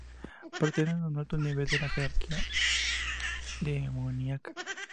Pertenecen a un alto nivel en la jerarquía demoníaca.